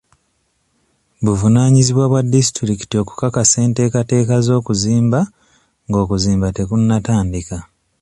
Buvunaanyizibwa bwa disitulikiti okukakasa enteekateeka z'okuzimba ng'okuzimba tekunatandika